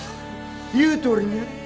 言うとおりに。